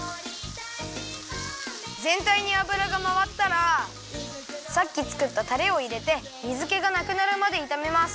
ぜんたいに油がまわったらさっきつくったたれをいれて水けがなくなるまでいためます。